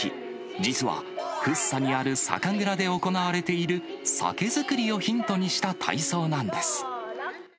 実は、福生にある酒蔵で行われている酒造りをヒントにした体操なんです。